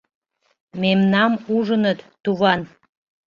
— Мемнам ужыныт, туван!..